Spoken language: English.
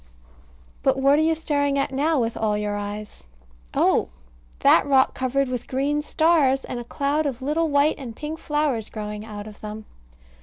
But what are you staring at now, with all your eyes? Oh! that rock covered with green stars and a cloud of little white and pink flowers growing out of them.